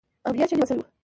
امنیت ښه نیول شوی و.